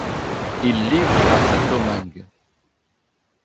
Ils livrent à Saint-Domingue.